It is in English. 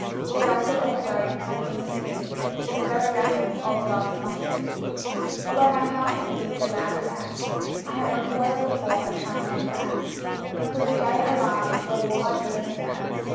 The rustle of a robe hath been to me The very rattle of love's musketry; Although my heart hath beat the loud advance, I have recoiled before a challenging glance, Proved gay alarms where warlike ribbons dance.